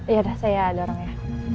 yaudah saya dorong ya